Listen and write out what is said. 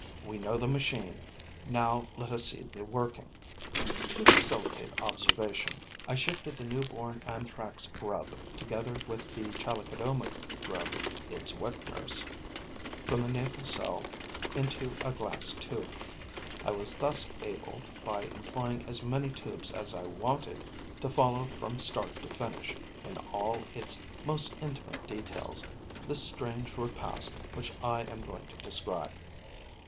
We know the machine; now let us see the working. To facilitate observation, I shifted the newborn Anthrax grub, together with the Chalicodoma grub, its wet nurse, from the natal cell into a glass tube. I was thus able, by employing as many tubes as I wanted, to follow from start to finish, in all its most intimate details, the strange repast which I am going to describe.